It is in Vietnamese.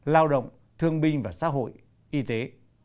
lao động thương binh và xã hội y tế